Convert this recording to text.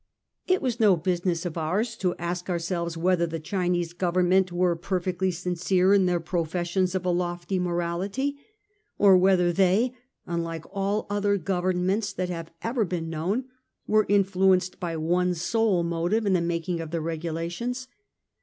It was no business of ours to ask ourselves whether the Chinese Government were perfectly sin cere in their professions of a lofty morality, or whether they, unlike all other governments that have ever been known, were influenced by one sole motive in the making of their regulations.